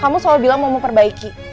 kamu selalu bilang mau memperbaiki